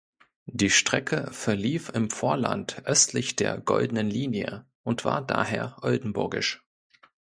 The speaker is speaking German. Die Strecke verlief im Vorland östlich der Goldenen Linie und war daher oldenburgisch.